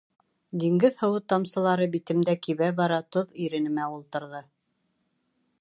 Диңгеҙ һыуы тамсылары битемдә кибә бара, тоҙ иренемә ултырҙы.